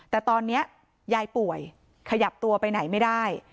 แต่ตอนนี้ยายป่วยขยับตัวไปไหนไม่ได้